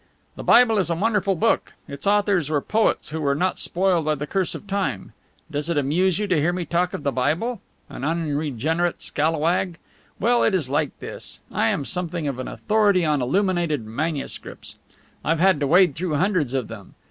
"The Bible is a wonderful book. Its authors were poets who were not spoiled by the curse of rime. Does it amuse you to hear me talk of the Bible? an unregenerate scalawag? Well, it is like this: I am something of an authority on illuminated manuscripts. I've had to wade through hundreds of them.